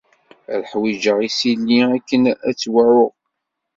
Ad ḥwijeɣ isili akken ad tt-wɛuɣ.